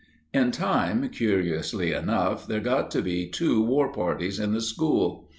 In time, curiously enough, there got to be two war parties in the school.